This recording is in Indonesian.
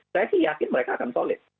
saya sih yakin mereka akan solid